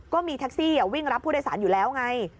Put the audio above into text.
ก็มีแท็กซี่วิ่งรับผู้โดยสารอยู่แล้วไง